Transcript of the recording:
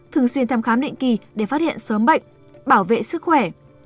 thường xuyên thăm khám định kỳ để phát hiện sớm bệnh bảo vệ sức khỏe